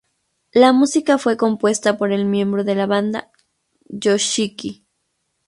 La música fue compuesta por el miembro de la banda Yoshiki.